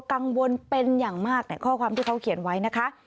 กังวลเป็นอย่างมากในข้อความที่เขาเขียนไว้นะคะ